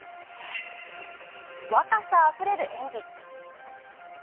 若さあふれる演技。